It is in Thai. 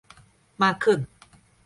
มากขึ้น